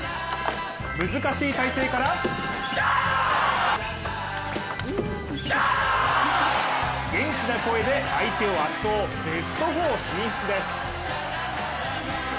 難しい体勢から元気な声で、相手を圧倒、ベスト４進出です。